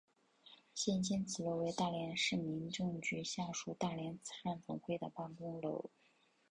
现今此楼为大连市民政局下属大连慈善总会的办公楼。